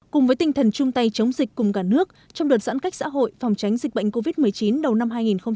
cùng với tinh thần chung tay chống dịch cùng cả nước trong đợt giãn cách xã hội phòng tránh dịch bệnh covid một mươi chín đầu năm hai nghìn hai mươi